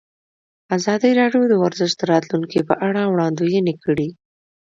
ازادي راډیو د ورزش د راتلونکې په اړه وړاندوینې کړې.